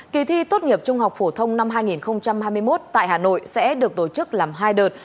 kỳ thi tốt nghiệp trung học phổ thông năm hai nghìn hai mươi một tại hà nội sẽ được tổ chức làm hai đợt